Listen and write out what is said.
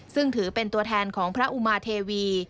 ซึ่งถือเป็นตัวแทนของพระอุมาเทวี